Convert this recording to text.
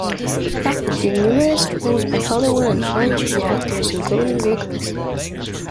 He has acted in numerous films by Hollywood and French directors, including Luc Besson.